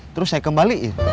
terus saya kembaliin